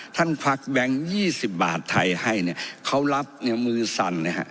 ท่านควักแบงค์๒๐บาทไทยให้เขารับมือสั่น